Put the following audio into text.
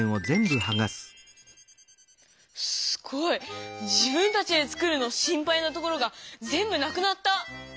すごい「自分たちで作る」の「心配なところ」がぜんぶなくなった。